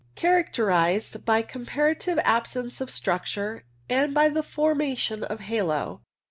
Characterized by comparative absence of struc ture and by the formation of halo.